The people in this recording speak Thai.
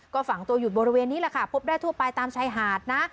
ก็ฝังตัวอยู่บริเวณนี้แหละค่ะพบได้ทั่วไปตามชายหาดนะ